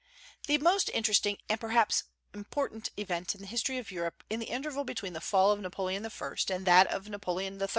The most interesting and perhaps important event in the history of Europe in the interval between the fall of Napoleon I. and that of Napoleon III.